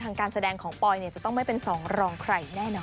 การแสดงของปอยจะต้องไม่เป็นสองรองใครแน่นอน